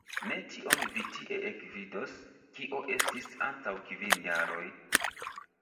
Ne tion vi tie ekvidos, kio estis antaŭ kvin jaroj!